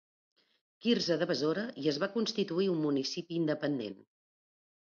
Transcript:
Quirze de Besora i es va constituir un municipi independent.